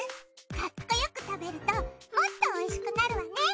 かっこよく食べるともっとおいしくなるわね！